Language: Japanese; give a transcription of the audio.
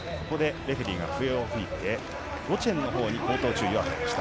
レフェリーが笛を吹いてゴチェンの方に口頭注意が与えられました。